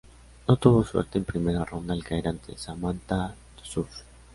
No tuvo suerte en primera ronda al caer ante Samantha Stosur.